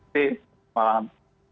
oke selamat malam